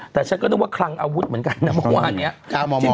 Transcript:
แต่ฉันก็นึกว่าคลังอาวุธเหมือนกันนะเมื่อวานนี้